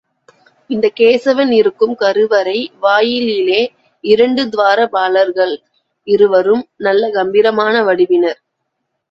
இந்தக் கேசவன் இருக்கும் கருவறை வாயிலிலே இரண்டு துவாரபாலகர்கள், இருவரும் நல்ல கம்பீரமான வடிவினர்.